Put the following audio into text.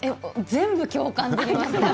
全部共感できます。